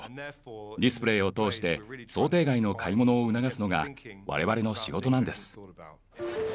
ディスプレーを通して想定外の買い物を促すのが我々の仕事なんです。